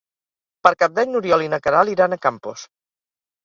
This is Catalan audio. Per Cap d'Any n'Oriol i na Queralt iran a Campos.